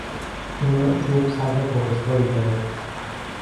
این نوع چوب سطح پرزداری دارد.